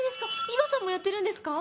伊和さんもやってるんですか？